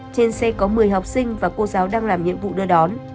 trên xe có một mươi học sinh và cô giáo đang làm nhiệm vụ đưa đón